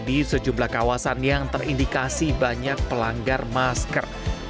di sejumlah kawasan yang terindikasi banyak pelanggar masker